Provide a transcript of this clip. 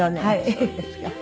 そうですか。